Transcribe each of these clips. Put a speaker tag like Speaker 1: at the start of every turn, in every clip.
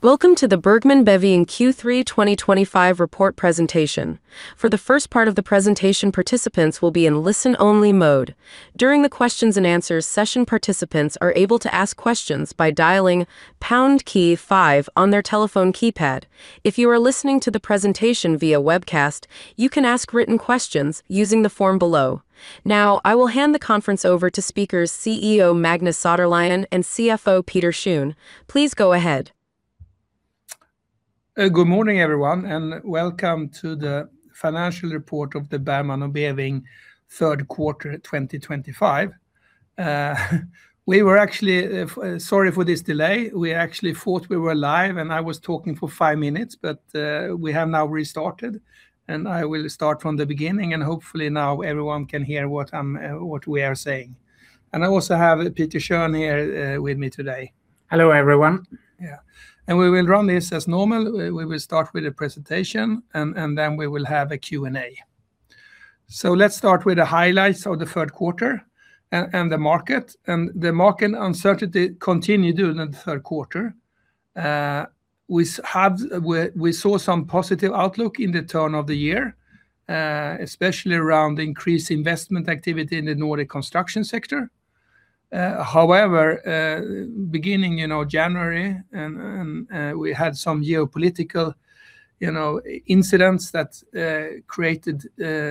Speaker 1: Welcome to the Bergman & Beving Q3 2025 report presentation. For the first part of the presentation, participants will be in listen-only mode. During the questions and answers session, participants are able to ask questions by dialing pound key five on their telephone keypad. If you are listening to the presentation via webcast, you can ask written questions using the form below. Now, I will hand the conference over to speakers CEO Magnus Söderlund and CFO Peter Schön. Please go ahead.
Speaker 2: Good morning, everyone, and welcome to the financial report of the Bergman & Beving third quarter 2025. We were actually. Sorry for this delay. We actually thought we were live, and I was talking for five minutes, but we have now restarted, and I will start from the beginning, and hopefully now everyone can hear what I'm, what we are saying. I also have Peter Schön here with me today.
Speaker 3: Hello, everyone.
Speaker 2: Yeah, and we will run this as normal. We will start with a presentation, and then we will have a Q&A. So let's start with the highlights of the third quarter and the market, and the market uncertainty continued during the third quarter. We saw some positive outlook in the turn of the year, especially around increased investment activity in the Nordic construction sector. However, beginning, you know, January, and we had some geopolitical, you know, incidents that created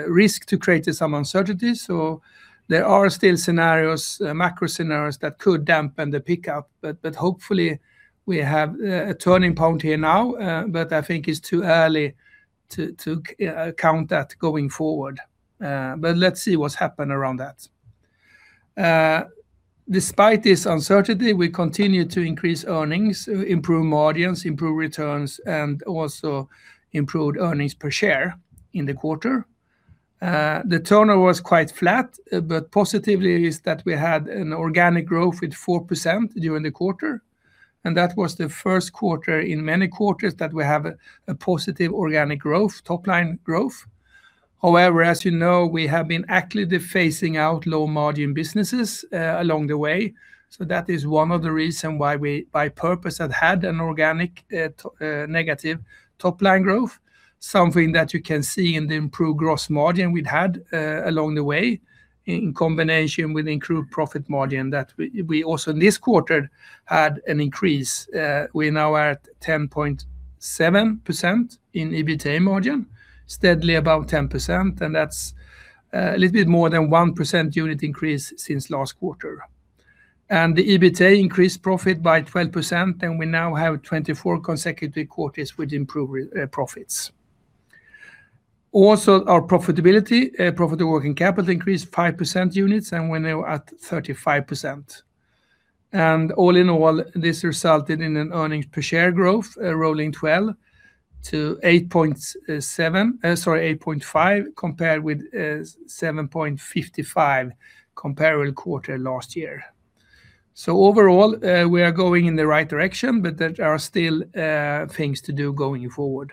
Speaker 2: risk to creating some uncertainty. So there are still scenarios, macro scenarios, that could dampen the pickup, but hopefully we have a turning point here now, but I think it's too early to count that going forward. But let's see what's happened around that. Despite this uncertainty, we continued to increase earnings, improve margins, improve returns, and also improved earnings per share in the quarter. The turnover was quite flat, but positively is that we had an organic growth with 4% during the quarter, and that was the first quarter in many quarters that we have a positive organic growth, top-line growth. However, as you know, we have been actively phasing out low-margin businesses, along the way, so that is one of the reason why we, by purpose, have had an organic negative top-line growth, something that you can see in the improved gross margin we've had, along the way, in combination with improved profit margin that we also, in this quarter, had an increase. We're now at 10.7% in EBITDA margin, steadily above 10%, and that's a little bit more than 1 percentage point increase since last quarter. The EBITDA increased profit by 12%, and we now have 24 consecutive quarters with improved profits. Also, our Profit/Working Capital increased 5 percentage points, and we're now at 35%. All in all, this resulted in an earnings per share growth, rolling 12, to 8.7, sorry, 8.5, compared with 7.55 comparable quarter last year. Overall, we are going in the right direction, but there are still things to do going forward.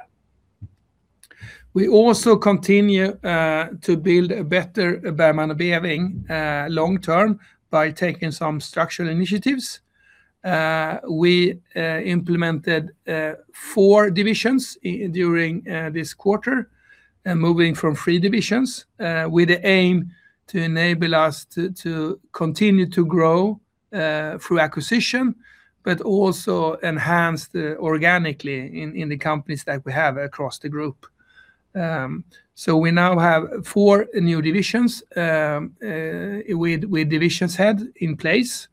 Speaker 2: We also continue to build a better Bergman & Beving long term by taking some structural initiatives. We implemented four divisions during this quarter, moving from three divisions, with the aim to enable us to continue to grow through acquisition, but also enhance them organically in the companies that we have across the group. So we now have four new divisions with division heads in place,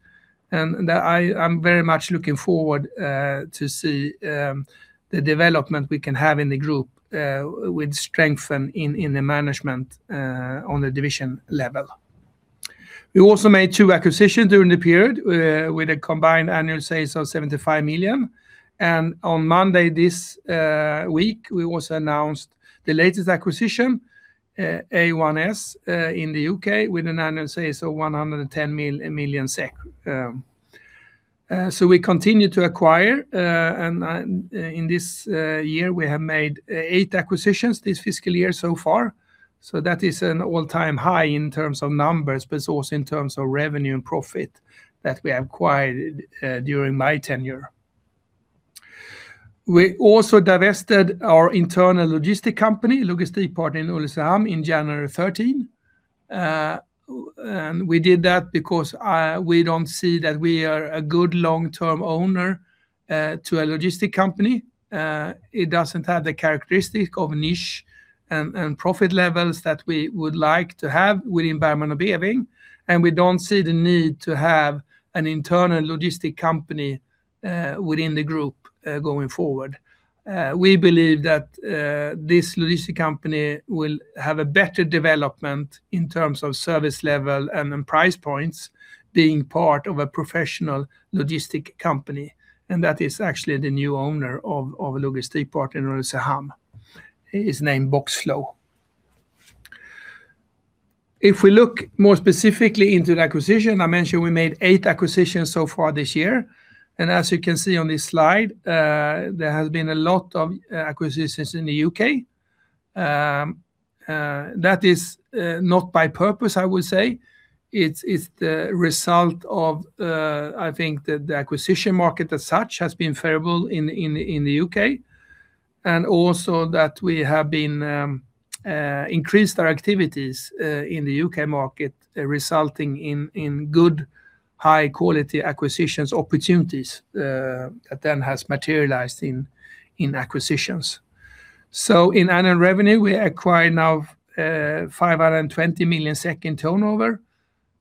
Speaker 2: and I'm very much looking forward to see the development we can have in the group with strength in the management on the division level. We also made two acquisitions during the period with a combined annual sales of 75 million, and on Monday, this week, we also announced the latest acquisition, A1S, in the U.K., with an annual sales of 110 million SEK. So we continue to acquire, and in this year, we have made eight acquisitions this fiscal year so far, so that is an all-time high in terms of numbers, but also in terms of revenue and profit that we acquired during my tenure. We also divested our internal logistic company, Logistikpartner Ulricehamn, in January 13. We did that because we don't see that we are a good long-term owner to a logistic company. It doesn't have the characteristic of niche and profit levels that we would like to have within Bergman & Beving, and we don't see the need to have an internal logistic company within the group going forward. We believe that this logistic company will have a better development in terms of service level and in price points being part of a professional logistic company, and that is actually the new owner of Logistikpartner Ulricehamn is named Boxflow. If we look more specifically into the acquisition, I mentioned we made eight acquisitions so far this year, and as you can see on this slide, there has been a lot of acquisitions in the U.K. That is not by purpose, I would say. It's the result of, I think that the acquisition market as such has been favorable in the U.K., and also that we have been increased our activities in the U.K. market, resulting in good, high quality acquisitions opportunities that then has materialized in acquisitions. So in annual revenue, we acquire now 520 million in turnover.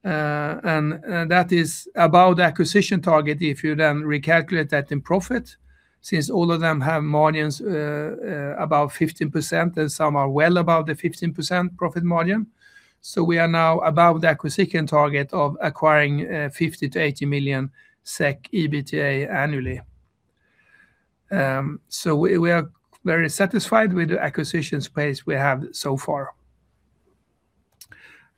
Speaker 2: And that is about the acquisition target if you then recalculate that in profit, since all of them have margins about 15%, and some are well above the 15% profit margin. So we are now above the acquisition target of acquiring 50 million-80 million SEK EBITDA annually. So we are very satisfied with the acquisitions pace we have so far.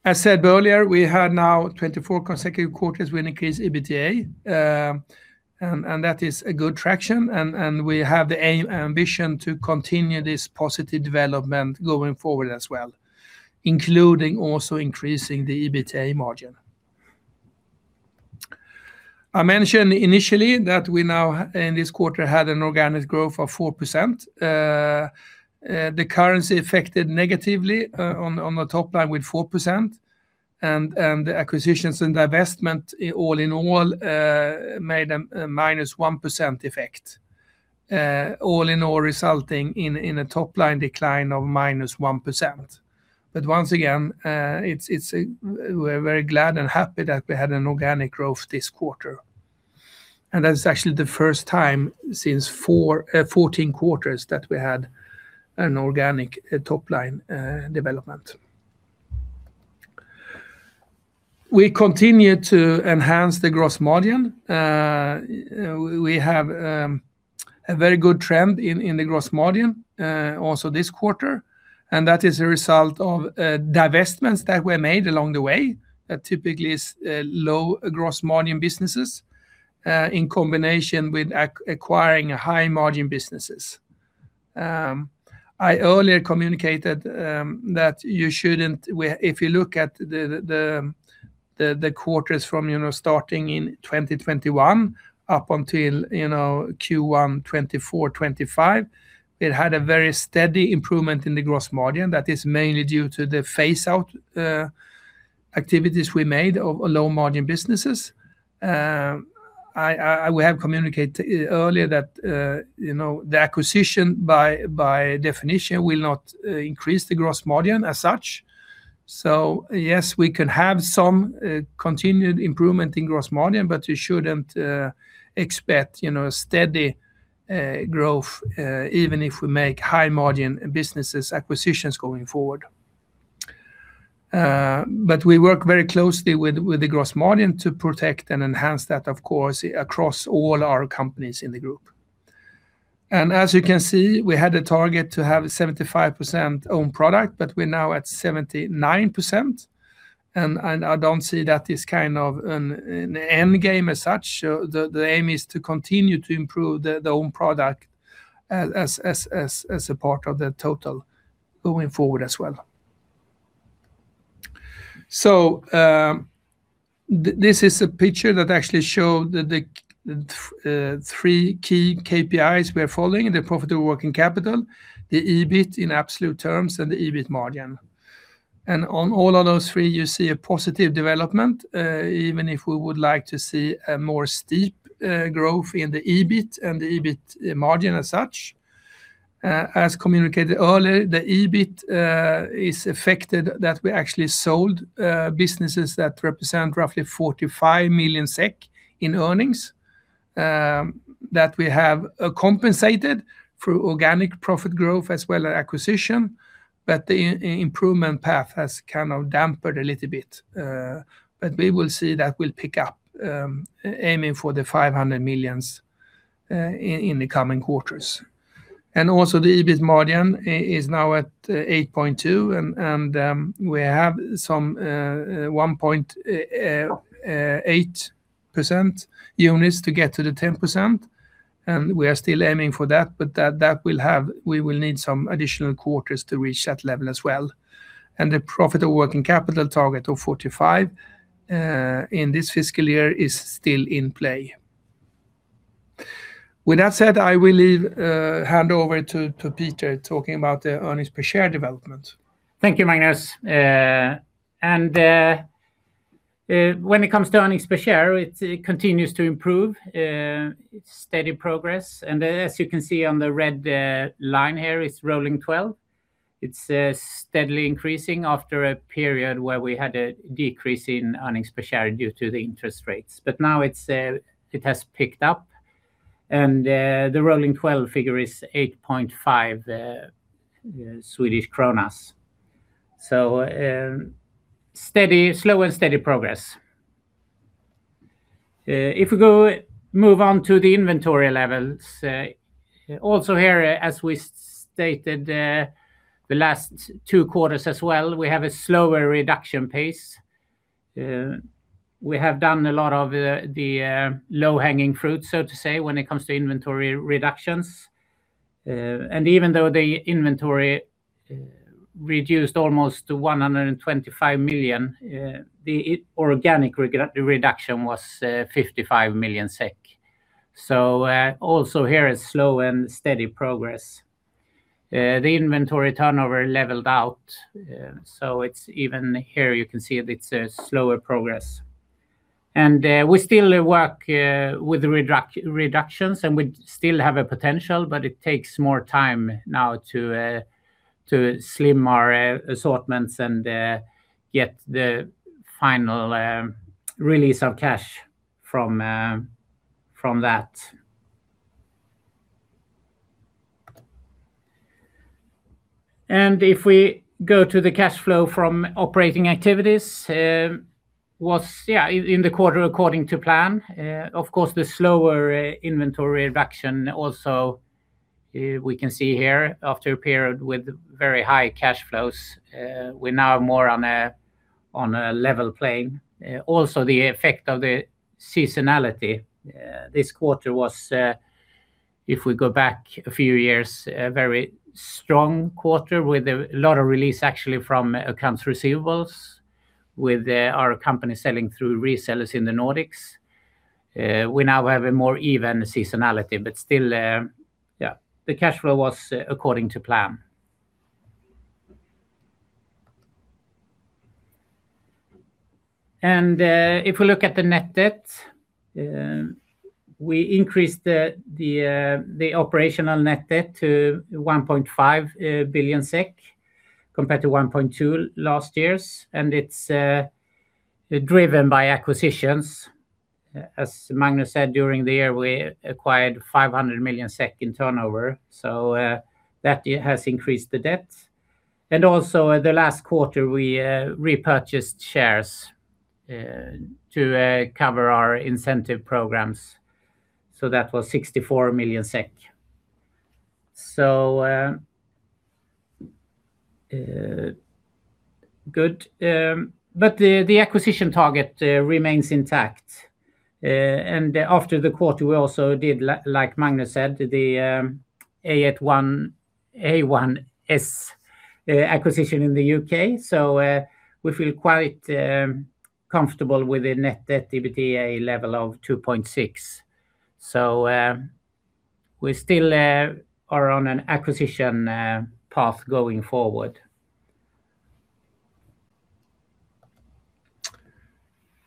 Speaker 2: As said earlier, we have now 24 consecutive quarters with increased EBITDA. And that is a good traction, and we have the aim, ambition to continue this positive development going forward as well, including also increasing the EBITDA margin. I mentioned initially that we now, in this quarter, had an organic growth of 4%. The currency affected negatively on the top line with 4%, and the acquisitions and divestment, all in all, made a -1% effect. All in all, resulting in a top-line decline of -1%. But once again, we're very glad and happy that we had an organic growth this quarter, and that's actually the first time since 14 quarters that we had an organic top-line development. We continue to enhance the gross margin. We have a very good trend in the gross margin also this quarter, and that is a result of divestments that were made along the way, that typically is low gross margin businesses in combination with acquiring high margin businesses. I earlier communicated that you shouldn't—if you look at the quarters from, you know, starting in 2021 up until, you know, Q1 2024, 2025, it had a very steady improvement in the gross margin that is mainly due to the phase-out activities we made of low margin businesses. We have communicated earlier that, you know, the acquisition by definition will not increase the gross margin as such. So yes, we can have some continued improvement in gross margin, but you shouldn't expect, you know, a steady growth even if we make high margin businesses acquisitions going forward. But we work very closely with the gross margin to protect and enhance that, of course, across all our companies in the group. As you can see, we had a target to have 75% own product, but we're now at 79%, and I don't see that is kind of an end game as such. The aim is to continue to improve the own product as a part of the total going forward as well. This is a picture that actually show the three key KPIs we are following: the Profit/Working Capital, the EBIT in absolute terms, and the EBIT margin. On all of those three, you see a positive development, even if we would like to see a more steep growth in the EBIT and the EBIT margin as such. As communicated earlier, the EBIT is affected that we actually sold businesses that represent roughly 45 million SEK in earnings, that we have compensated through organic profit growth as well as acquisition, but the improvement path has kind of dampened a little bit. But we will see that will pick up, aiming for 500 million in the coming quarters. And also, the EBIT margin is now at 8.2%, and we have some 1.8% units to get to the 10%, and we are still aiming for that, but that will have, we will need some additional quarters to reach that level as well. And the Profit/Working Capital target of 45 in this fiscal year is still in play. With that said, I will leave, hand over to Peter talking about the earnings per share development.
Speaker 3: Thank you, Magnus. When it comes to earnings per share, it continues to improve, steady progress. And as you can see on the red line here, it's rolling 12. It's steadily increasing after a period where we had a decrease in earnings per share due to the interest rates. But now it has picked up, and the rolling 12 figure is 8.5 Swedish kronor. So, slow and steady progress. If we move on to the inventory levels, also here, as we stated, the last two quarters as well, we have a slower reduction pace. We have done a lot of the low-hanging fruit, so to say, when it comes to inventory reductions. And even though the inventory reduced almost to 125 million, the organic reduction was 55 million SEK. So, also here is slow and steady progress. The inventory turnover leveled out, so it's even here you can see it, it's a slower progress. And we still work with the reductions, and we still have a potential, but it takes more time now to slim our assortments and get the final release of cash from that. And if we go to the cash flow from operating activities, it was, yeah, in the quarter according to plan. Of course, the slower inventory reduction also, we can see here after a period with very high cash flows, we're now more on a level playing. Also the effect of the seasonality, this quarter was, if we go back a few years, a very strong quarter with a lot of release actually from accounts receivables with our company selling through resellers in the Nordics. We now have a more even seasonality, but still, yeah, the cash flow was according to plan. And if we look at the net debt, we increased the operational net debt to 1.5 billion SEK compared to 1.2 billion last year, and it's driven by acquisitions. As Magnus said, during the year, we acquired 500 million SEK in turnover, so that has increased the debt. And also, in the last quarter, we repurchased shares to cover our incentive programs, so that was 64 million SEK. So good. But the acquisition target remains intact. After the quarter, we also did, like Magnus said, the A1S acquisition in the U.K.. So, we feel quite comfortable with the net debt EBITDA level of 2.6. So, we still are on an acquisition path going forward.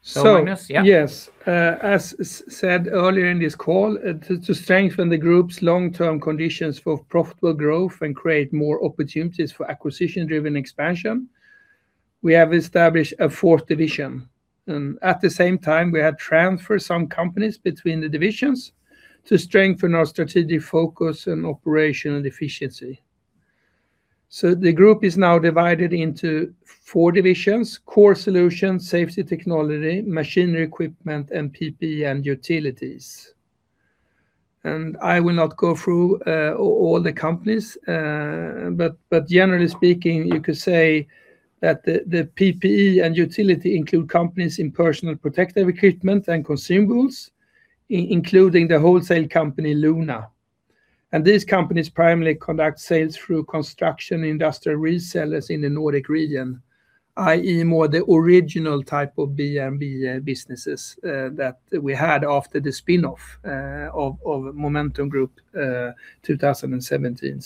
Speaker 3: So Magnus, yeah?
Speaker 2: So yes, as said earlier in this call, to strengthen the group's long-term conditions for profitable growth and create more opportunities for acquisition-driven expansion, we have established a fourth division, and at the same time, we have transferred some companies between the divisions to strengthen our strategic focus and operational efficiency. So the group is now divided into four divisions: Core Solutions, Safety Technology, Machinery & Equipment, and PPE & Utilities. And I will not go through all the companies. But generally speaking, you could say that the PPE & Utilities include companies in personal protective equipment and consumables, including the wholesale company, Luna. And these companies primarily conduct sales through construction industrial resellers in the Nordic region, i.e., more the original type of B&B businesses that we had after the spin-off of Momentum Group 2017.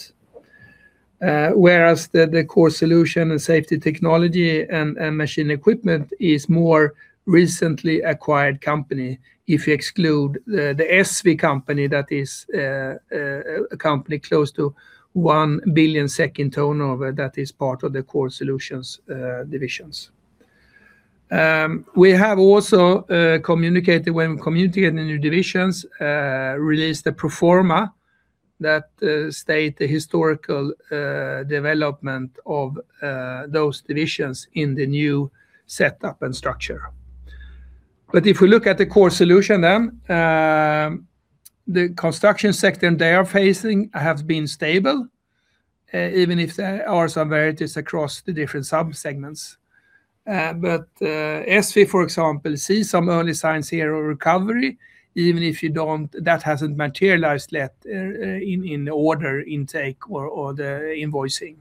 Speaker 2: Whereas the Core Solutions and Safety Technology and Machinery & Equipment is more recently acquired company, if you exclude the ESSVE company, that is a company close to 1 billion in turnover that is part of the Core Solutions Divisions. We have also communicated when communicating the new divisions, released the pro forma that state the historical development of those divisions in the new setup and structure. But if we look at the Core Solutions then, the construction sector they are facing have been stable, even if there are some varieties across the different sub-segments. But ESSVE, for example, see some early signs here of recovery, even if you don't, that hasn't materialized yet, in order intake or the invoicing.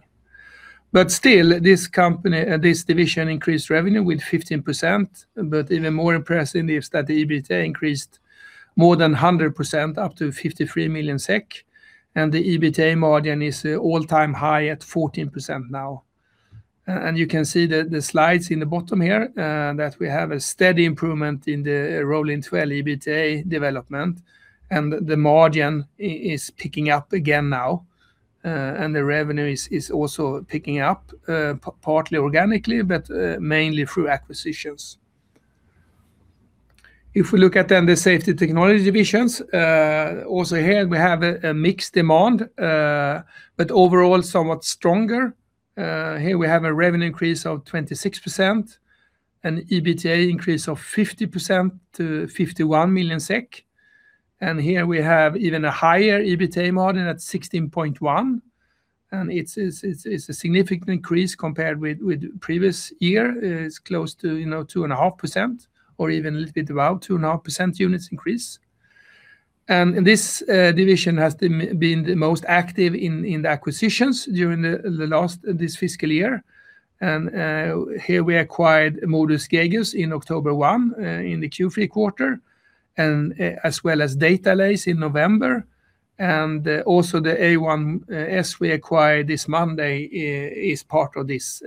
Speaker 2: But still, this company, this division increased revenue with 15%, but even more impressive is that the EBITDA increased more than 100%, up to 53 million SEK, and the EBITDA margin is all-time high at 14% now. And you can see the slides in the bottom here, that we have a steady improvement in the rolling twelve EBITDA development, and the margin is picking up again now. And the revenue is also picking up, partly organically, but mainly through acquisitions. If we look at then the Safety Technology Divisions, also here we have a mixed demand, but overall, somewhat stronger. Here we have a revenue increase of 26%, an EBITDA increase of 50% to 51 million SEK, and here we have even a higher EBITDA margin at 16.1%. It's a significant increase compared with previous year. It's close to, you know, 2.5% or even a little bit above 2.5% units increase. This division has been the most active in the acquisitions during this fiscal year. Here we acquired Modus Gauges in October 1 in the Q3 quarter, and as well as DataLase in November, and also the A1S we acquired this Monday is part of this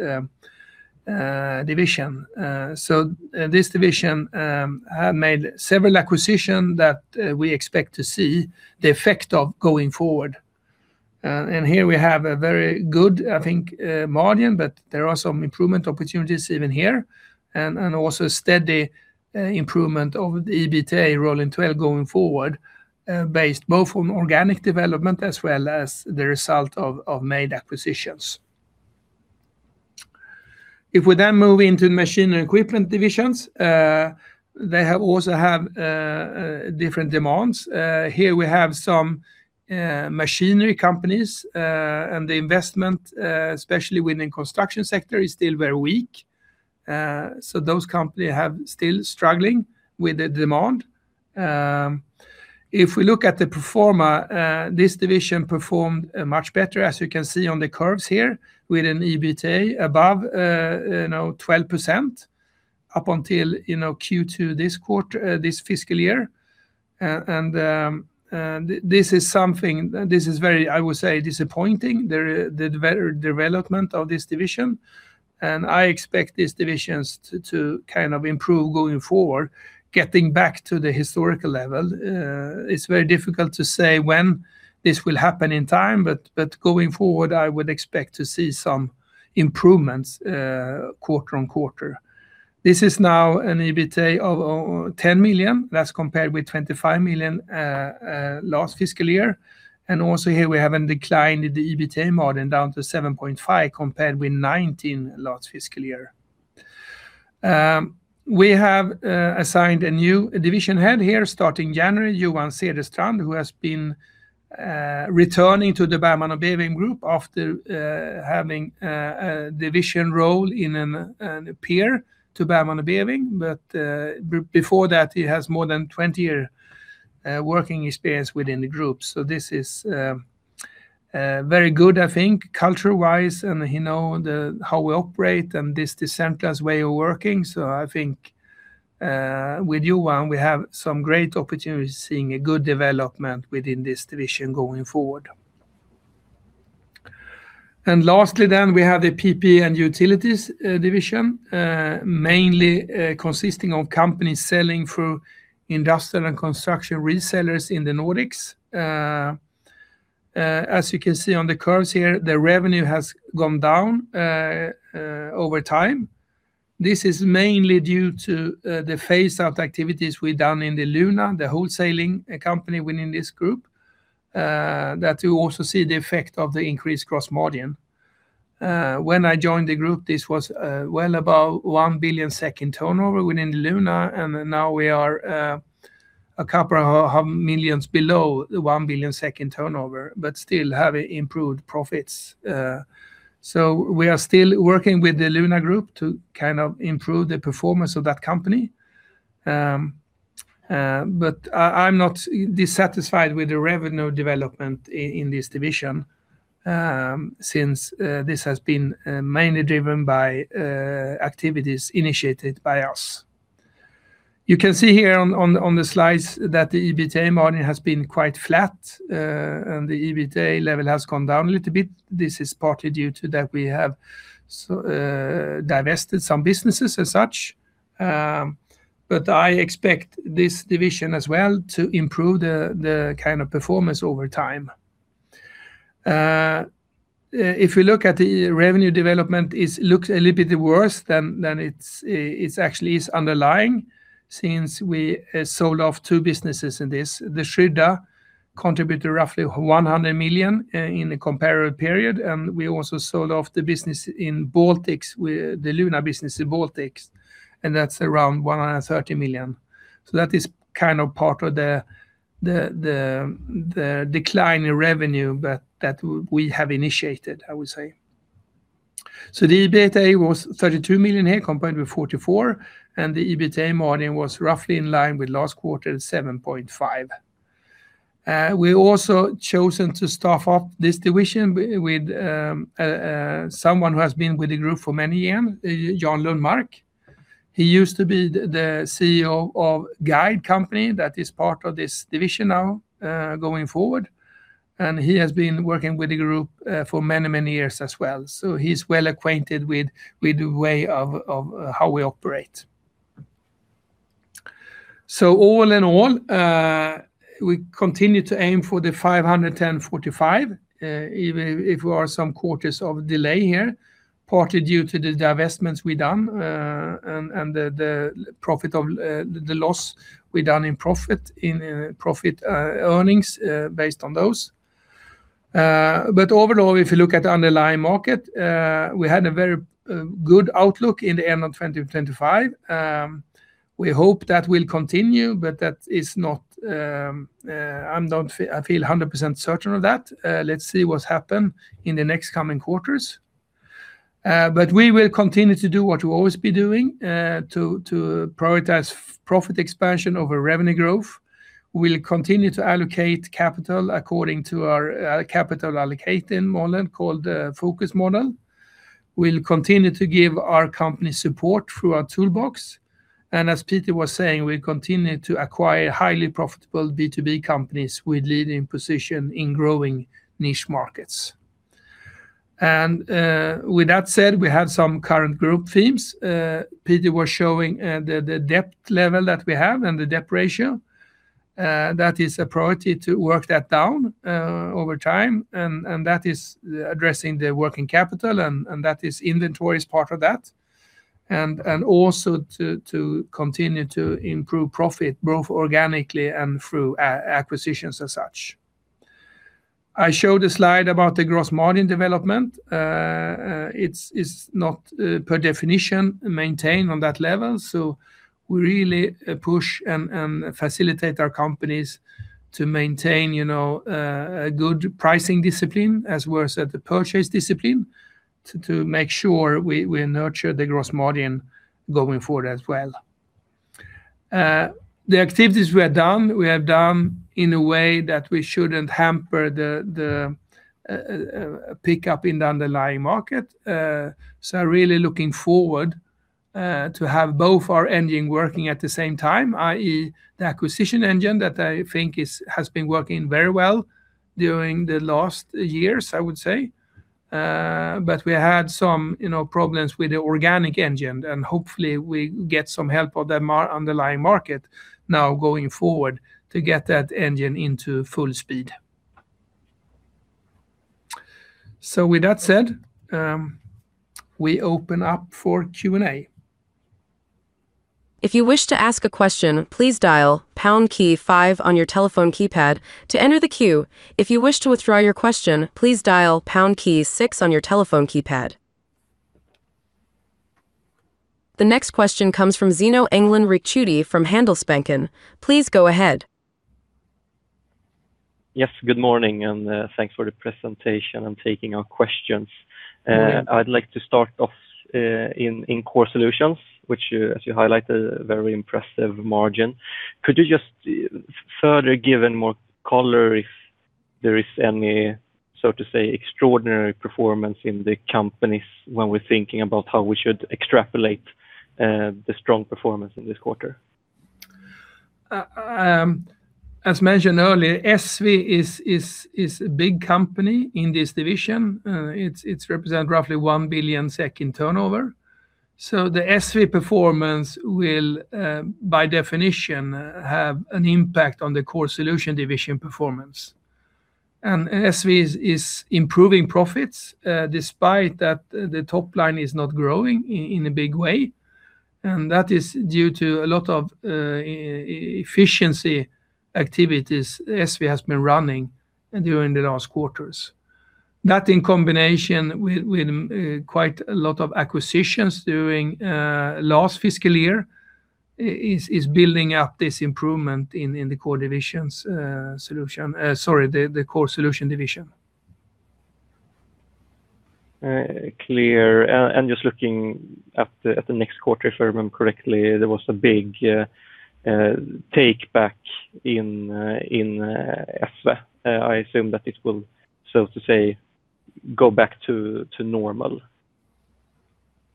Speaker 2: division. So this division have made several acquisition that we expect to see the effect of going forward. And here we have a very good, I think, margin, but there are some improvement opportunities even here, and also steady improvement of the EBITDA rolling 12 going forward, based both on organic development as well as the result of made acquisitions. If we then move into Machinery & Equipment divisions, they have also have different demands. Here we have some machinery companies, and the investment, especially within construction sector, is still very weak. So those company have still struggling with the demand. If we look at the pro forma, this division performed much better, as you can see on the curves here, with an EBITDA above, you know, 12%, up until, you know, Q2 this quarter, this fiscal year. And this is something, this is very, I would say, disappointing, the development of this division, and I expect these divisions to kind of improve going forward, getting back to the historical level. It's very difficult to say when this will happen in time, but going forward, I would expect to see some improvements quarter-over-quarter. This is now an EBITDA of 10 million. That's compared with 25 million last fiscal year, and also here we have a decline in the EBITDA margin down to 7.5%, compared with 19% last fiscal year. We have assigned a new division head here starting January, Johan Cederstrand, who has been returning to the Bergman & Beving Group after having a division role in a peer to Bergman & Beving. But before that, he has more than 20 year working experience within the group. So this is very good, I think, culture-wise, and he know the how we operate and this decentralized way of working. So I think with Johan, we have some great opportunities seeing a good development within this division going forward. And lastly then, we have the PPE & Utilities Division, mainly consisting of companies selling through industrial and construction resellers in the Nordics. As you can see on the curves here, the revenue has gone down over time. This is mainly due to the phase out activities we've done in the Luna, the wholesaling company within this group, that you also see the effect of the increased gross margin. When I joined the group, this was well above 1 billion in turnover within Luna, and now we are a couple of millions below the 1 billion in turnover, but still have improved profits. So we are still working with the Luna Group to kind of improve the performance of that company. But I, I'm not dissatisfied with the revenue development in this division, since this has been mainly driven by activities initiated by us. You can see here on the slides that the EBITDA margin has been quite flat, and the EBITDA level has gone down a little bit. This is partly due to that we have so divested some businesses as such. But I expect this division as well to improve the kind of performance over time. If we look at the revenue development, it looks a little bit worse than it actually is underlying, since we sold off two businesses in this. The Skydda contributed roughly 100 million in the comparable period, and we also sold off the business in Baltics with the Luna business in Baltics, and that's around 130 million. So that is kind of part of the decline in revenue, but we have initiated, I would say. So the EBITDA was 32 million here, compared with 44, and the EBITDA margin was roughly in line with last quarter, 7.5%. We also chosen to staff up this division with someone who has been with the group for many years, Jan Lundmark. He used to be the CEO of Guide company, that is part of this division now, going forward, and he has been working with the group, for many, many years as well. So he's well-acquainted with the way of how we operate. So all in all, we continue to aim for the 500/10/45, even if we are some quarters of delay here, partly due to the divestments we've done, and the loss we've done in profit and earnings based on those. But overall, if you look at the underlying market, we had a very good outlook in the end of 2025. We hope that will continue, but that is not, I'm not feeling 100% certain of that. Let's see what's happened in the next coming quarters. But we will continue to do what we've always been doing, to prioritize profit expansion over revenue growth. We'll continue to allocate capital according to our capital allocating model called Focus Model. We'll continue to give our company support through our toolbox, and as Peter was saying, we continue to acquire highly profitable B2B companies with leading position in growing niche markets. And with that said, we have some current group themes. Peter was showing the debt level that we have and the debt ratio. That is a priority to work that down over time, and that is addressing the working capital, and that is inventory is part of that. And also to continue to improve profit, both organically and through acquisitions as such. I showed a slide about the gross margin development. It's not per definition maintained on that level, so we really push and facilitate our companies to maintain, you know, a good pricing discipline as we're set the purchase discipline, to make sure we nurture the gross margin going forward as well. The activities we have done we have done in a way that we shouldn't hamper the pick up in the underlying market. So really looking forward to have both our engine working at the same time, i.e., the acquisition engine that I think has been working very well during the last years, I would say. But we had some, you know, problems with the organic engine, and hopefully we get some help on the underlying market now going forward to get that engine into full speed. So with that said, we open up for Q&A.
Speaker 1: If you wish to ask a question, please dial pound key five on your telephone keypad to enter the queue. If you wish to withdraw your question, please dial pound key six on your telephone keypad. The next question comes from Zino Engdalen Ricciuti from Handelsbanken. Please go ahead.
Speaker 4: Yes, good morning, and thanks for the presentation and taking our questions.
Speaker 2: Good morning.
Speaker 4: I'd like to start off in Core Solutions, which you, as you highlighted, a very impressive margin. Could you just further give more color if there is any, so to say, extraordinary performance in the companies when we're thinking about how we should extrapolate the strong performance in this quarter?
Speaker 2: As mentioned earlier, ESSVE is a big company in this division. It represents roughly 1 billion in turnover. So the ESSVE performance will, by definition, have an impact on the Core Solutions Division performance. And ESSVE is improving profits, despite that the top line is not growing in a big way, and that is due to a lot of efficiency activities ESSVE has been running during the last quarters. That in combination with quite a lot of acquisitions during last fiscal year is building up this improvement in the core divisions, solution. Sorry, the Core Solutions Division.
Speaker 4: Clear. And just looking at the next quarter, if I remember correctly, there was a big takeback in ESSVE. I assume that it will, so to say, go back to normal.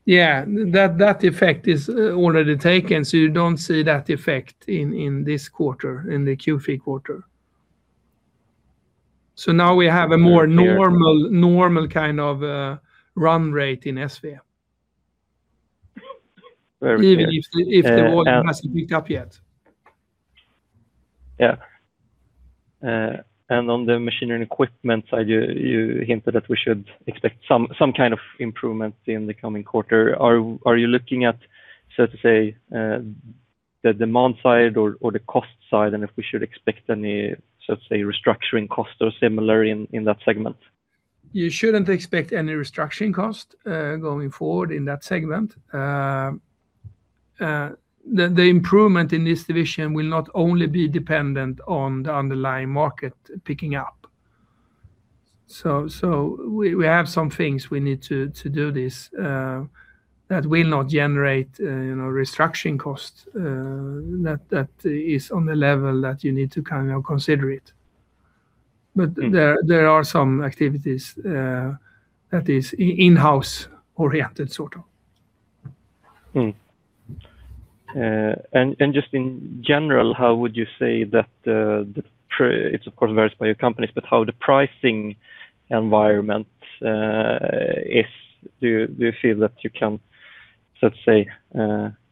Speaker 2: Yeah. That effect is already taken, so you don't see that effect in this quarter, in the Q3 quarter. So now we have a more normal, normal kind of run rate in ESSVE.
Speaker 4: Very clear.
Speaker 2: Even if, if the volume hasn't picked up yet.
Speaker 4: Yeah. And on the Machinery & Equipment side, you hinted that we should expect some kind of improvement in the coming quarter. Are you looking at, so to say, the demand side or the cost side, and if we should expect any, so to say, restructuring cost or similar in that segment?
Speaker 2: You shouldn't expect any restructuring cost going forward in that segment. The improvement in this division will not only be dependent on the underlying market picking up. So we have some things we need to do this that will not generate, you know, restructuring costs that is on the level that you need to kind of consider it. But there are some activities that is in-house oriented, sort of.
Speaker 4: And just in general, how would you say that the pricing, it's of course varies by your companies, but how the pricing environment is? Do you feel that you can, let's say,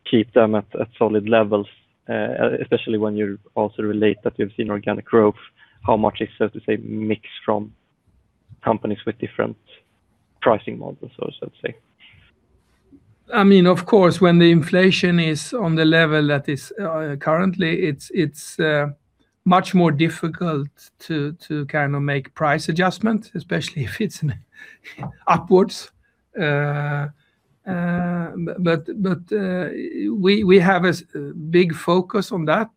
Speaker 4: keep them at solid levels, especially when you also relate that you've seen organic growth, how much is, so to say, mix from companies with different pricing models, so to say?
Speaker 2: I mean, of course, when the inflation is on the level that is currently, it's much more difficult to kind of make price adjustments, especially if it's an upwards. But we have a big focus on that,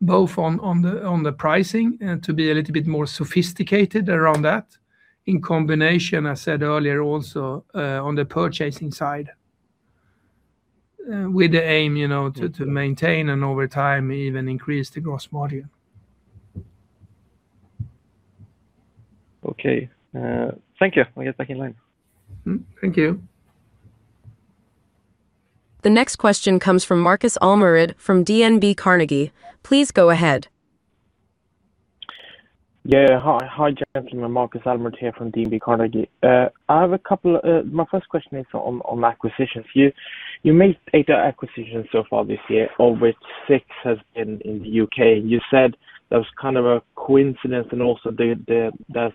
Speaker 2: both on the pricing, and to be a little bit more sophisticated around that. In combination, I said earlier also, on the purchasing side, with the aim, you know, to maintain and over time, even increase the gross margin.
Speaker 4: Okay. Thank you. I'll get back in line.
Speaker 2: Mm, thank you.
Speaker 1: The next question comes from Markus Almerud from DNB Carnegie. Please go ahead.
Speaker 5: Yeah. Hi. Hi, gentlemen, Markus Almerud here from DNB Carnegie. I have a couple—my first question is on acquisitions. You made eight acquisitions so far this year, of which six has been in the U.K.. You said that was kind of a coincidence and also there's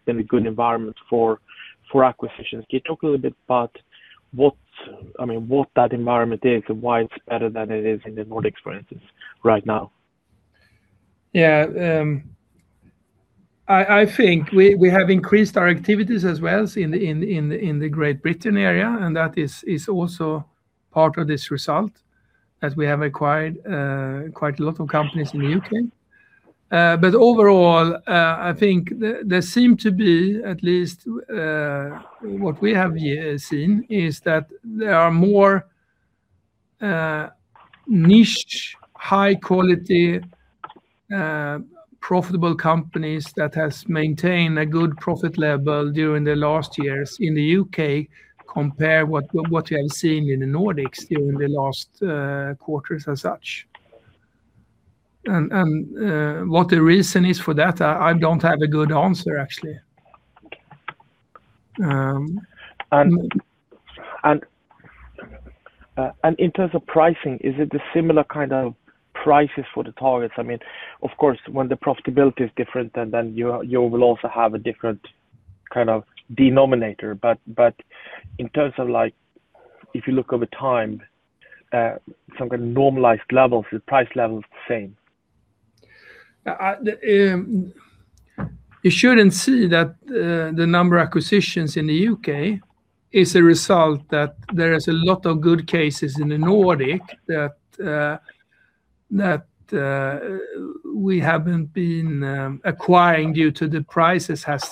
Speaker 5: been a good environment for acquisitions. Can you talk a little bit about what, I mean, what that environment is and why it's better than it is in the Nordic experiences right now?
Speaker 2: Yeah, I think we have increased our activities as well in the Great Britain area, and that is also part of this result, as we have acquired quite a lot of companies in the U.K.. But overall, I think there seem to be at least what we have here seen is that there are more niche, high quality, profitable companies that has maintained a good profit level during the last years in the U.K., compare what we have seen in the Nordics during the last quarters as such. And what the reason is for that, I don't have a good answer, actually.
Speaker 5: In terms of pricing, is it a similar kind of prices for the targets? I mean, of course, when the profitability is different, then you will also have a different kind of denominator. But in terms of like, if you look over time, some kind of normalized levels, the price level is the same.
Speaker 2: You shouldn't see that, the number of acquisitions in the U.K. is a result that there is a lot of good cases in the Nordic that that we haven't been acquiring due to the prices has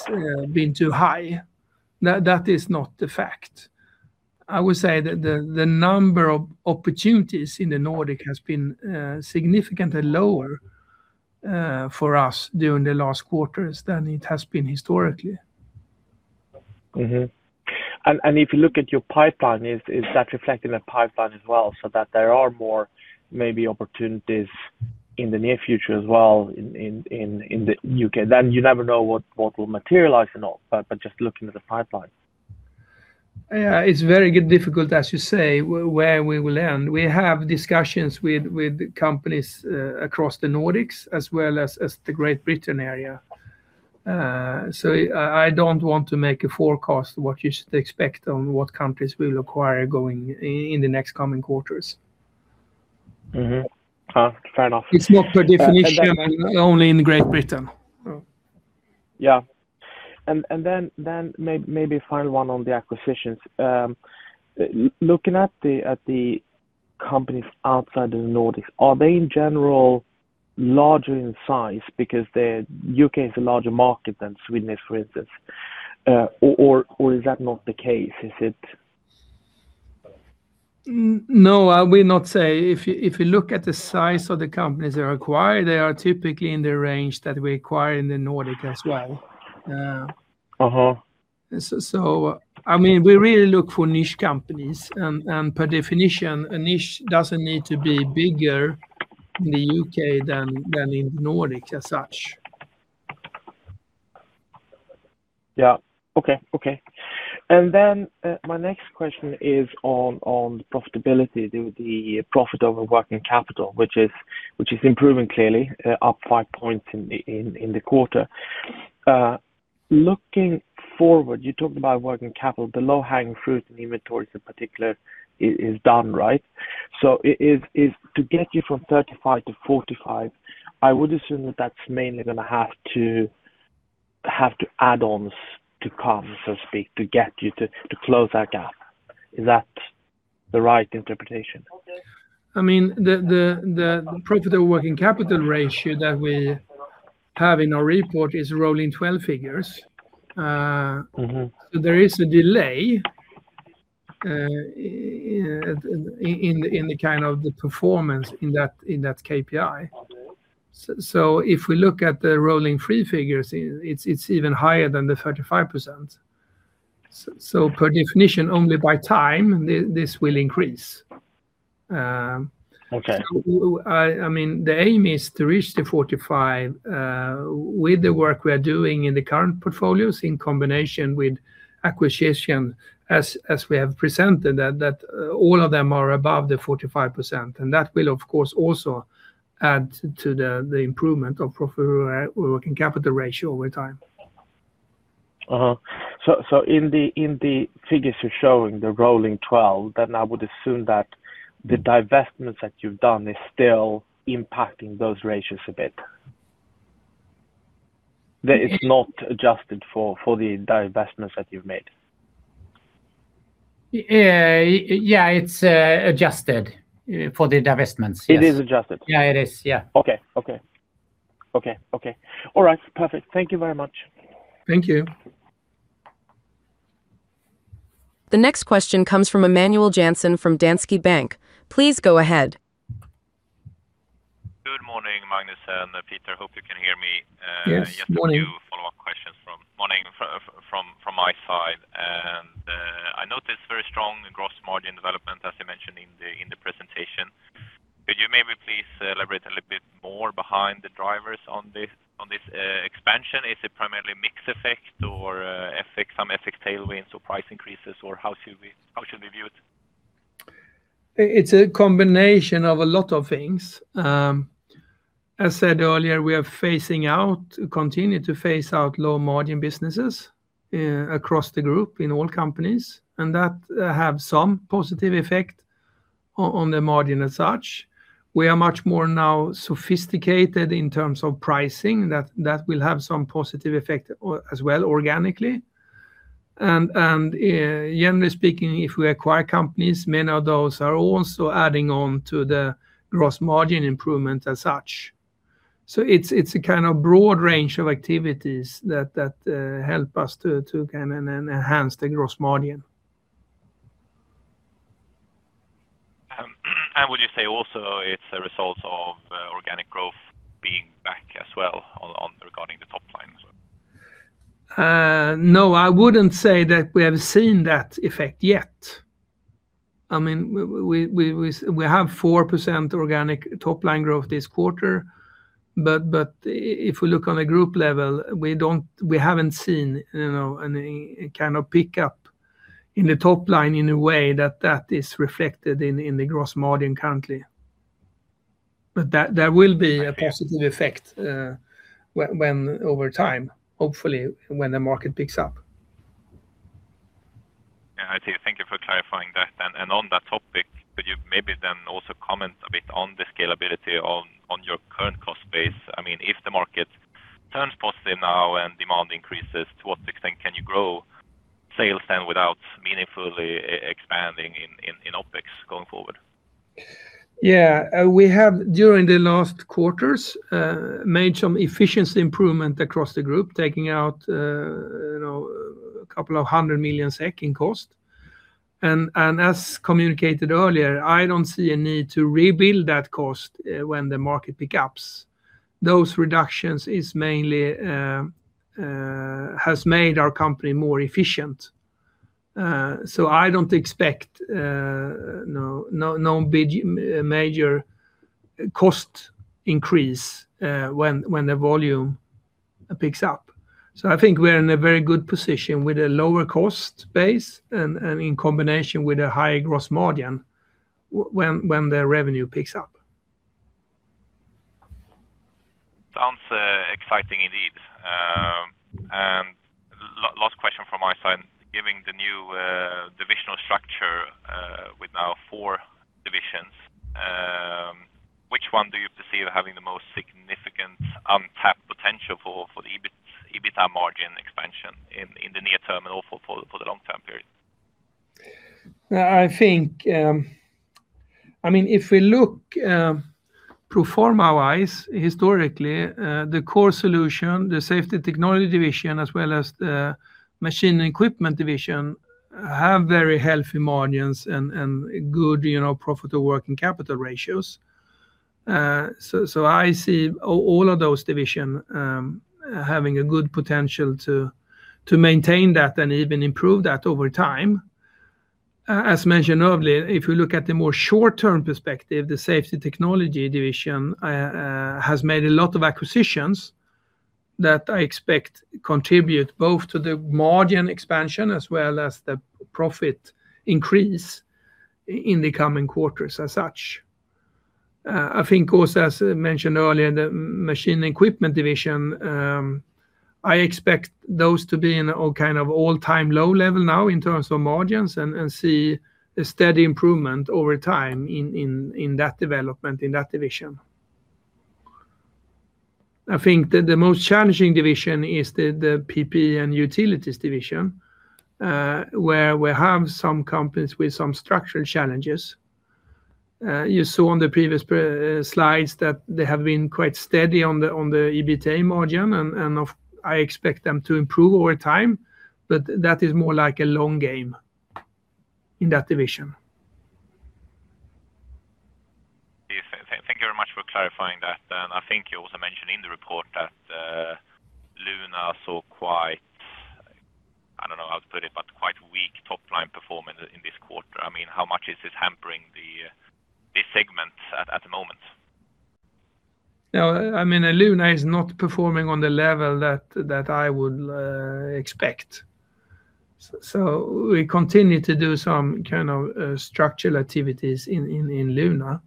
Speaker 2: been too high. That that is not the fact. I would say that the number of opportunities in the Nordic has been significantly lower for us during the last quarters than it has been historically.
Speaker 5: Mm-hmm. And if you look at your pipeline, is that reflected in the pipeline as well, so that there are more maybe opportunities in the near future as well in the U.K.? Then you never know what will materialize or not, but just looking at the pipeline.
Speaker 2: Yeah, it's very difficult, as you say, where we will end. We have discussions with companies across the Nordics as well as the Great Britain area. So I don't want to make a forecast what you should expect on what countries we will acquire going in the next coming quarters.
Speaker 5: Mm-hmm. Fair enough.
Speaker 2: It's not by definition only in Great Britain.
Speaker 5: Yeah. And then maybe the final one on the acquisitions. Looking at the companies outside of the Nordics, are they in general larger in size because the U.K. is a larger market than Sweden, for instance? Or is that not the case? Is it-
Speaker 2: No, I will not say, if you look at the size of the companies that are acquired, they are typically in the range that we acquire in the Nordic as well.
Speaker 5: Uh-huh.
Speaker 2: So, I mean, we really look for niche companies, and per definition, a niche doesn't need to be bigger in the U.K. than in the Nordics as such.
Speaker 5: Yeah. Okay, okay. And then, my next question is on profitability, the profit over working capital, which is improving clearly, up five points in the quarter. Looking forward, you talked about working capital, the low-hanging fruit and inventories in particular is done, right? So is to get you from 35 to 45, I would assume that that's mainly going to have to add on to come, so to speak, to get you to close that gap. Is that the right interpretation?
Speaker 2: I mean, the Profit/Working Capital ratio that we have in our report is rolling 12 figures.
Speaker 5: Mm-hmm.
Speaker 2: So there is a delay in the kind of performance in that KPI. So if we look at the rolling three figures, it's even higher than the 35%. So per definition, only by time, this will increase.
Speaker 5: Okay.
Speaker 2: I mean, the aim is to reach the 45% with the work we are doing in the current portfolios, in combination with acquisition, as we have presented, that all of them are above the 45%. And that will, of course, also add to the improvement of Profit/Working Capital ratio over time.
Speaker 5: Uh-huh. So, in the figures you're showing, the rolling 12, then I would assume that the divestments that you've done is still impacting those ratios a bit? That it's not adjusted for, for the divestments that you've made?
Speaker 2: Yeah, it's adjusted for the divestments. Yes.
Speaker 5: It is adjusted?
Speaker 2: Yeah, it is. Yeah.
Speaker 5: Okay. Okay. Okay, okay. All right, perfect. Thank you very much.
Speaker 2: Thank you.
Speaker 1: The next question comes from Emanuel Jansson from Danske Bank. Please go ahead.
Speaker 6: Good morning, Magnus and Peter. Hope you can hear me.
Speaker 2: Yes.
Speaker 3: Morning.
Speaker 6: Just a few follow-up questions from morning, from my side. I noticed very strong gross margin development, as you mentioned in the presentation. Could you maybe please elaborate a little bit more behind the drivers on this expansion? Is it primarily mix effect or some effect tailwinds or price increases, or how should we view it?
Speaker 2: It's a combination of a lot of things. As said earlier, we are phasing out, continue to phase out low margin businesses across the group in all companies, and that have some positive effect on the margin as such. We are much more now sophisticated in terms of pricing, that will have some positive effect as well organically. And generally speaking, if we acquire companies, many of those are also adding on to the gross margin improvement as such. So it's a kind of broad range of activities that help us to kind of enhance the gross margin.
Speaker 6: Would you say also it's a result of organic growth being back as well on regarding the top line as well?
Speaker 2: No, I wouldn't say that we have seen that effect yet. I mean, we have 4% organic top line growth this quarter, but if we look on a group level, we haven't seen, you know, any kind of pickup in the top line in a way that that is reflected in the gross margin currently. But that there will be a positive effect, when over time, hopefully when the market picks up.
Speaker 6: Yeah, I see. Thank you for clarifying that. And on that topic, could you maybe then also comment a bit on the scalability on your current cost base? I mean, if the market turns positive now and demand increases, to what extent can you grow sales then, without meaningfully expanding in OpEx going forward?
Speaker 2: Yeah, we have, during the last quarters, made some efficiency improvement across the group, taking out, you know, 200 million SEK in cost. As communicated earlier, I don't see a need to rebuild that cost, when the market picks up. Those reductions is mainly, has made our company more efficient. So I don't expect, no, no, no big, major cost increase, when, when the volume picks up. So I think we're in a very good position with a lower cost base and, in combination with a high gross margin when, when the revenue picks up.
Speaker 6: Sounds exciting indeed. And last question from my side. Given the new divisional structure with now four divisions, which one do you perceive having the most significant untapped potential for the EBIT, EBITDA margin expansion in the near term and also for the long-term period?
Speaker 2: I think, I mean, if we look, pro forma wise, historically, the core solution, the Safety Technology Division, as well as the machine and equipment division, have very healthy margins and, and good, you know, Profit/Working Capital ratios. So, I see all, all of those division, having a good potential to, to maintain that and even improve that over time. As mentioned earlier, if you look at the more short-term perspective, the Safety Technology Division, has made a lot of acquisitions that I expect contribute both to the margin expansion as well as the profit increase in the coming quarters as such. I think also, as mentioned earlier, the Machinery & Equipment Division, I expect those to be in a kind of all-time low level now in terms of margins and see a steady improvement over time in that development, in that division. I think the most challenging division is the PPE & Utilities Division, where we have some companies with some structural challenges. You saw on the previous slides that they have been quite steady on the EBITDA margin, and I expect them to improve over time, but that is more like a long game in that division.
Speaker 6: Yeah. Thank you very much for clarifying that. And I think you also mentioned in the report that, Luna saw quite, I don't know how to put it, but quite weak top line performance in this quarter. I mean, how much is this hampering the, this segment at the moment?
Speaker 2: Yeah, I mean, Luna is not performing on the level that I would expect. So we continue to do some kind of structural activities in Luna.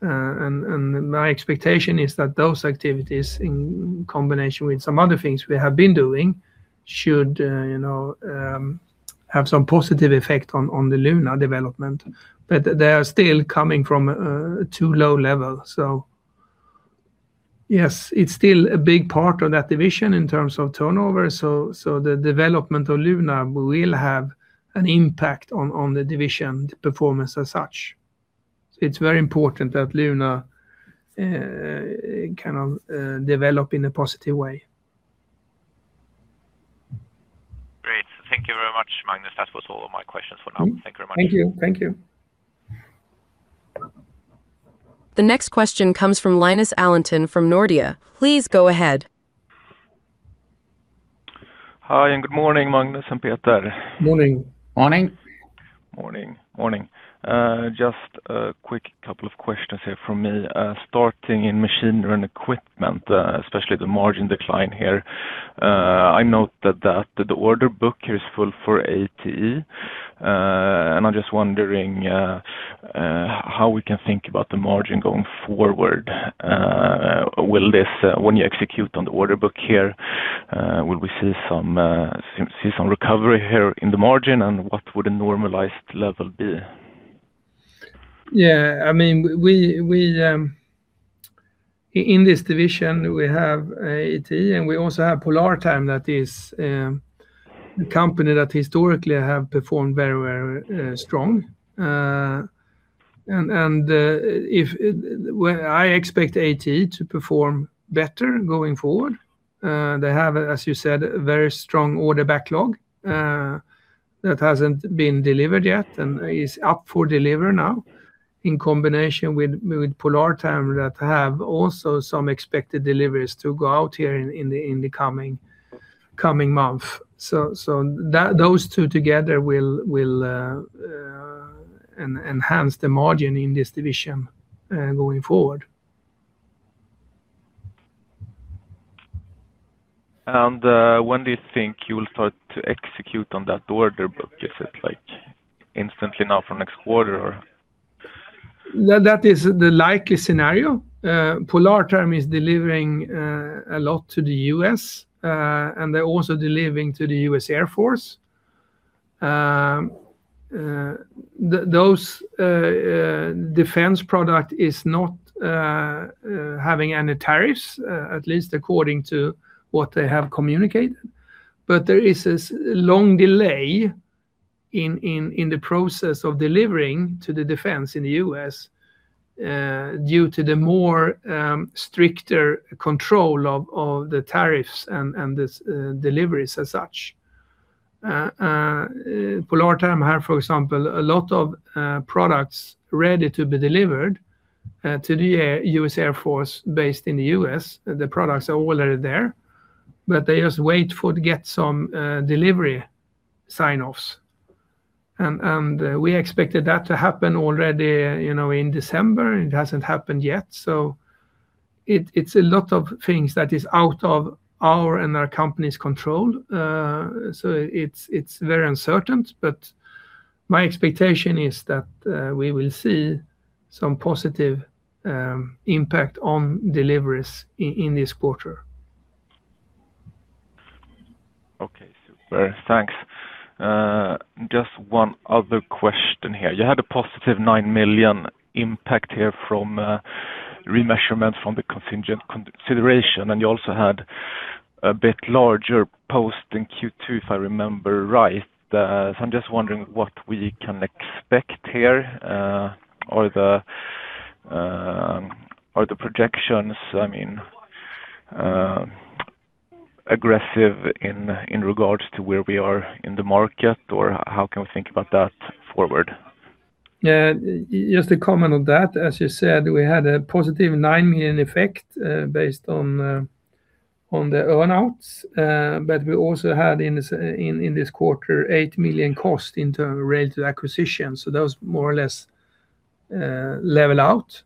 Speaker 2: And my expectation is that those activities, in combination with some other things we have been doing, should, you know, have some positive effect on the Luna development, but they are still coming from too low level. So yes, it's still a big part of that division in terms of turnover, so the development of Luna will have an impact on the division performance as such. It's very important that Luna kind of develop in a positive way.
Speaker 6: Great. Thank you very much, Magnus. That was all of my questions for now.
Speaker 2: Mm.
Speaker 6: Thank you very much.
Speaker 2: Thank you. Thank you.
Speaker 1: The next question comes from Linus Allenton from Nordea. Please go ahead.
Speaker 7: Hi, and good morning, Magnus and Peter.
Speaker 2: Morning.
Speaker 3: Morning.
Speaker 7: Morning, morning. Just a quick couple of questions here from me. Starting in Machinery & Equipment, especially the margin decline here. I note that the order book here is full for A.T.E., and I'm just wondering how we can think about the margin going forward. Will this, when you execute on the order book here, will we see some recovery here in the margin, and what would a normalized level be?
Speaker 2: Yeah, I mean, we have A.T.E., and we also have Polartherm that is a company that historically have performed very strong. I expect A.T.E. to perform better going forward. They have, as you said, a very strong order backlog that hasn't been delivered yet and is up for delivery now, in combination with Polartherm that have also some expected deliveries to go out here in the coming month. So those two together will enhance the margin in this division going forward.
Speaker 7: When do you think you will start to execute on that order book? Is it, like, instantly now from next quarter or?
Speaker 2: Well, that is the likely scenario. Polartherm is delivering a lot to the U.S., and they're also delivering to the U.S. Air Force. Those defense product is not having any tariffs, at least according to what they have communicated, but there is this long delay in the process of delivering to the defense in the U.S., due to the more stricter control of the tariffs and this deliveries as such. Polartherm have, for example, a lot of products ready to be delivered to the U.S. Air Force based in the U.S. The products are already there, but they just wait for to get some delivery sign-offs. And we expected that to happen already, you know, in December, and it hasn't happened yet. So it's a lot of things that is out of our and our company's control. So it's very uncertain, but my expectation is that we will see some positive impact on deliveries in this quarter.
Speaker 7: Okay. Super, thanks. Just one other question here. You had a positive 9 million impact here from remeasurement from the contingent consideration, and you also had a bit larger post in Q2, if I remember right. So I'm just wondering what we can expect here, or, are the projections, I mean, aggressive in regards to where we are in the market, or how can we think about that forward?
Speaker 2: Yeah, just to comment on that, as you said, we had a positive 9 million effect based on the earn-outs. But we also had in this quarter 8 million cost in terms related to acquisitions, so those more or less level out.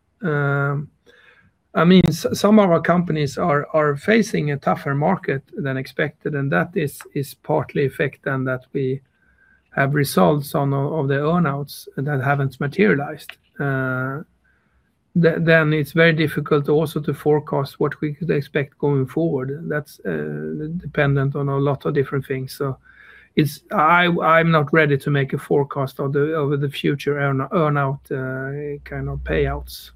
Speaker 2: I mean, some of our companies are facing a tougher market than expected, and that is partly effect than that we have results on of the earn-outs that haven't materialized. Then it's very difficult also to forecast what we could expect going forward. That's dependent on a lot of different things, so it's, I'm not ready to make a forecast of the future earn-out kind of payouts.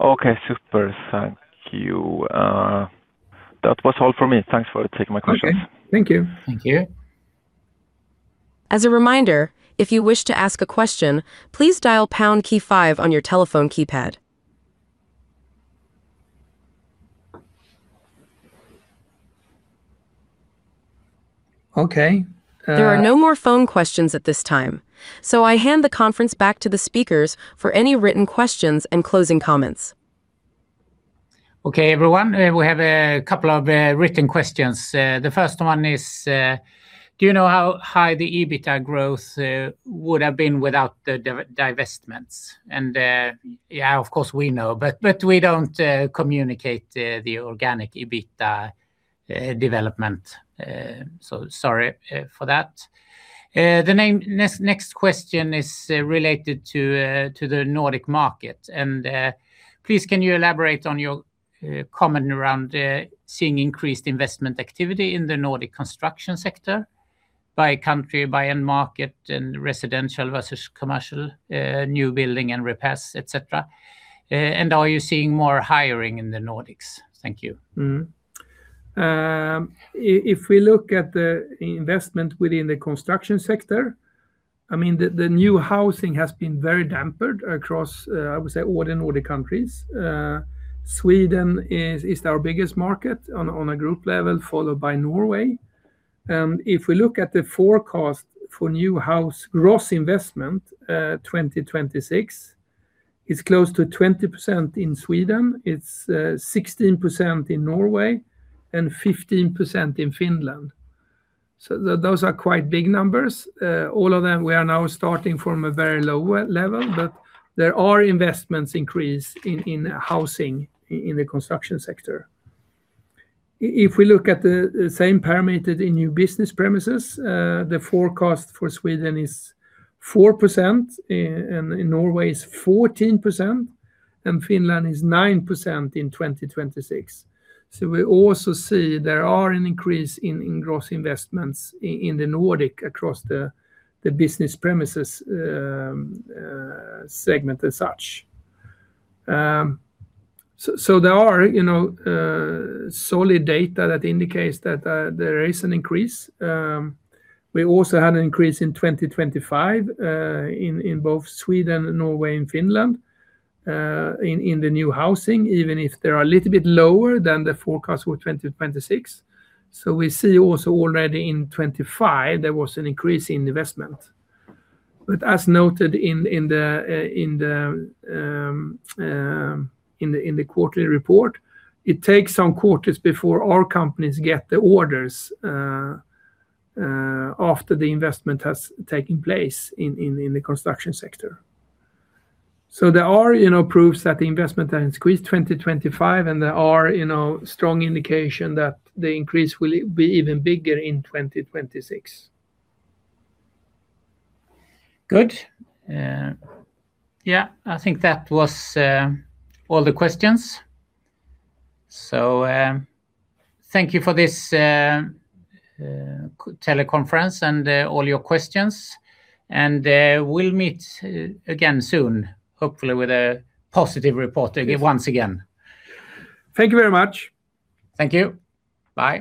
Speaker 7: Okay, super. Thank you. That was all for me. Thanks for taking my questions.
Speaker 2: Okay. Thank you.
Speaker 3: Thank you.
Speaker 1: As a reminder, if you wish to ask a question, please dial pound key five on your telephone keypad.
Speaker 2: Okay, uh-
Speaker 1: There are no more phone questions at this time, so I hand the conference back to the speakers for any written questions and closing comments.
Speaker 3: Okay, everyone, we have a couple of written questions. The first one is: Do you know how high the EBITDA growth would have been without the divestments? And, yeah, of course, we know, but we don't communicate the organic EBITDA development, so sorry for that. Anyway, next question is related to the Nordic market, and please, can you elaborate on your comments around seeing increased investment activity in the Nordic construction sector by country, by end market, and residential versus commercial, new building and repairs, et cetera. And are you seeing more hiring in the Nordics? Thank you.
Speaker 2: Mm-hmm. If we look at the investment within the construction sector, I mean, the new housing has been very dampened across, I would say, all the Nordic countries. Sweden is our biggest market on a group level, followed by Norway. And if we look at the forecast for new house gross investment, 2026, it's close to 20% in Sweden, it's 16% in Norway, and 15% in Finland. So those are quite big numbers. All of them, we are now starting from a very low level, but there are investments increase in housing in the construction sector. If we look at the same parameter in new business premises, the forecast for Sweden is 4%, and in Norway is 14%, and Finland is 9% in 2026. So we also see there are an increase in gross investments in the Nordic across the business premises segment as such. So there are, you know, solid data that indicates that there is an increase. We also had an increase in 2025 in both Sweden and Norway and Finland in the new housing, even if they are a little bit lower than the forecast for 2026. So we see also already in 2025, there was an increase in investment. But as noted in the quarterly report, it takes some quarters before our companies get the orders after the investment has taken place in the construction sector. So there are, you know, proofs that the investments are increased in 2025, and there are, you know, strong indications that the increase will be even bigger in 2026.
Speaker 3: Good. Yeah, I think that was all the questions. So, thank you for this teleconference and all your questions. And, we'll meet again soon, hopefully with a positive report to give once again.
Speaker 2: Thank you very much.
Speaker 3: Thank you. Bye.